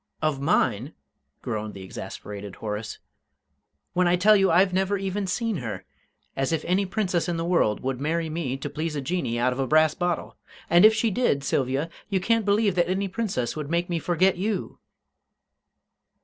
"Of mine!" groaned the exasperated Horace. "When I tell you I've never even seen her! As if any Princess in the world would marry me to please a Jinnee out of a brass bottle! And if she did, Sylvia, you can't believe that any Princess would make me forget you!"